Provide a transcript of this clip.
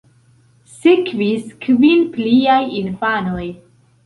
Sekvis kvin pliaj infanoj.